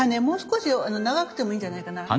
もう少し長くてもいいんじゃないかな。